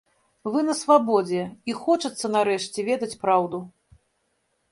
Вы на свабодзе, і хочацца нарэшце ведаць праўду!